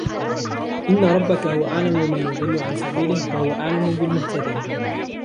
إِنَّ رَبَّكَ هُوَ أَعْلَمُ مَنْ يَضِلُّ عَنْ سَبِيلِهِ وَهُوَ أَعْلَمُ بِالْمُهْتَدِينَ